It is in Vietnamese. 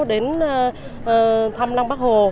đến thăm lăng bắc hồ